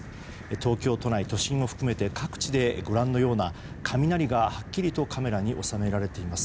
東京都内都心を含めて各地でご覧のような雷がはっきりとカメラに収められています。